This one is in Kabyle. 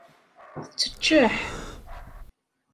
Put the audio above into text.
Tetteččeḥ.